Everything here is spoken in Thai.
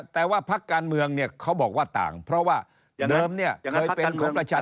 แต่ว่าพักการเมืองเนี่ยเขาบอกว่าต่างเพราะว่าเดิมเนี่ยเคยเป็นของประชาชน